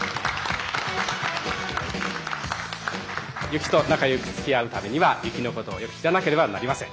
雪と仲良くつきあうためには雪のことをよく知らなければなりません。